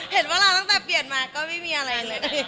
เห็นว่าเราตั้งแต่เปลี่ยนมาก็ไม่มีอะไรเลย